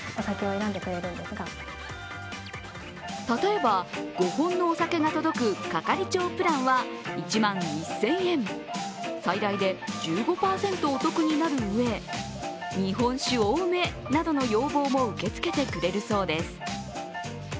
例えば５本のお酒が届く係長プランは１万１０００円、最大で１５％お得になるうえ、日本酒多めなどの要望も受け付けてくれるそうです。